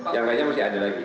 yang lainnya masih ada lagi